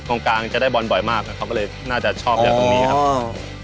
กองกลางจะได้บอลบ่อยมากเขาก็เลยน่าจะชอบอยู่ตรงนี้ครับ